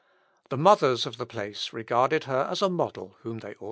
The mothers of the place regarded her as a model whom they ought to imitate.